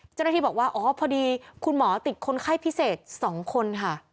เจ้าหน้าที่บอกว่าอ๋อพอดีคุณหมอติดคนไข้พิเศษ๒คนค่ะ